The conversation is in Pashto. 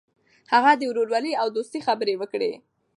هغه د ورورولۍ او دوستۍ خبرې وکړې.